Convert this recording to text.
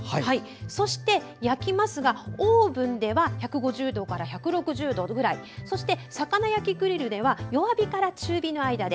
そして焼きますがオーブンでは１５０度から１６０度ぐらい魚焼きグリルでは弱火から中火の間で。